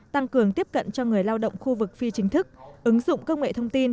tăng cường tiếp cận cho người lao động khu vực phi chính thức ứng dụng công nghệ thông tin